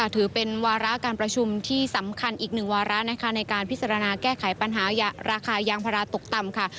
ถือเป็นวาระการประชุมที่สำคัญอีกหนึ่งวาระนะคะในการพิจารณาแก้ไขปัญหาราคายางภาระตกต่ำค่ะ